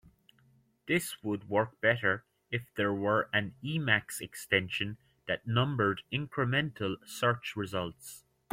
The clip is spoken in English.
This would work better if there were an Emacs extension that numbered incremental search results.